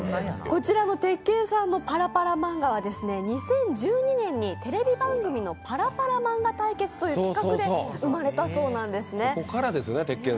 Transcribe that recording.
こちらの鉄拳さんのパラパラ漫画は２０１２年にテレビ番組のパラパラ漫画対決という企画で生まれたそうなんですね。